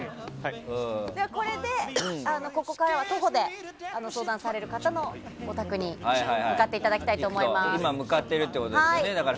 これでここからは徒歩で相談される方のお宅に向かっていただきたいと思います。